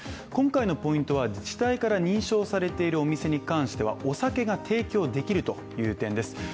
今回のポイントは自治体から認証されているお店に関しては、お酒が提供できるという点です。